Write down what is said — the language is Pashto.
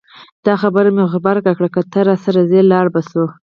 دا خبره مې ور غبرګه کړه که ته راسره ځې لاړ به شو.